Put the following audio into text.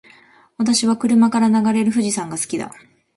私は車から眺める富士山が好きだ。